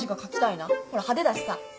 ほら派手だしさ。